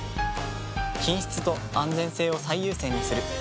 品質と安全性を最優先にする。